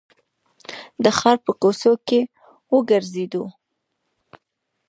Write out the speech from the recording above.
د ښار په کوڅو کې وګرځېدو.